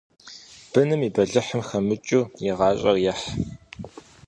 Быным и бэлыхьым хэмыкӀыу и гъащӀэр ехь.